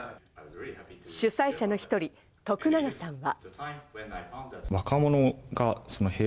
主催者の１人、徳永さんは。